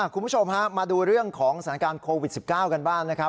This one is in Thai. คุณผู้ชมฮะมาดูเรื่องของสถานการณ์โควิด๑๙กันบ้างนะครับ